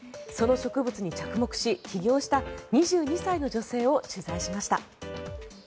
その植物に着目し、起業した２２歳の女性を取材しました。